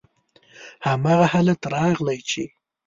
هماغه حالت راغلی چې: